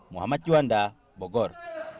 muhammad juanda bogor